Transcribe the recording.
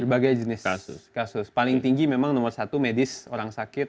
berbagai jenis kasus kasus paling tinggi memang nomor satu medis orang sakit